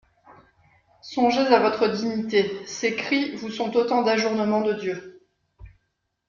Songez à votre dignité ; ces cris vous sont autant d'ajournements de Dieu.